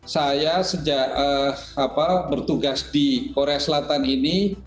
saya sejak bertugas di korea selatan ini